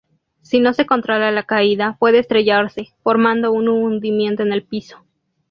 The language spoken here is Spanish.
Si no se controla la caída, puede estrellarse, formando un hundimiento en el piso.